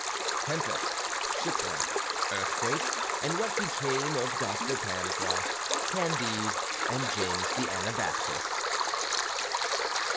V TEMPEST, SHIPWRECK, EARTHQUAKE, AND WHAT BECAME OF DOCTOR PANGLOSS, CANDIDE, AND JAMES THE ANABAPTIST.